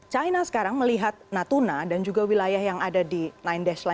cina sekarang melihat natuna dan juga wilayah yang ada di sembilan dash line